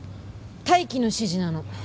待機の指示なの。